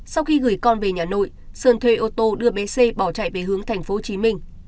sau khi gửi con về nhà nội sơn thuê ô tô đưa bé c bỏ chạy về hướng tp hcm